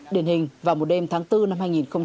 điển hình vào một đêm tháng bốn năm hai nghìn hai mươi